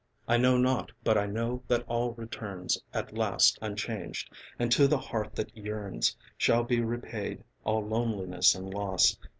I know not but I know that all returns At last unchanged, and to the heart that yearns Shall be repaid all loneliness and loss.